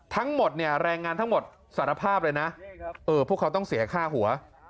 ทั้งหมดเนี่ยแรงงานทั้งหมดสารภาพเลยนะพวกเขาต้องเสียค่าหัว